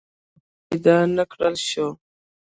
پلار مې پیدا نه کړای شو.